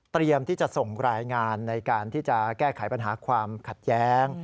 ที่จะส่งรายงานในการที่จะแก้ไขปัญหาความขัดแย้ง